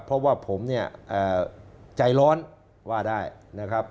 เพราะว่าผมเนี่ยใจร้อนว่าได้นะครับ